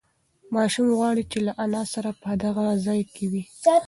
ماشوم غواړي چې له انا سره په دغه ځای کې وي.